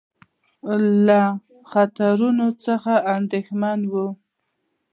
له خطرونو څخه اندېښمن وو.